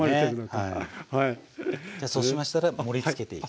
じゃあそうしましたらやっぱ盛りつけていきますね。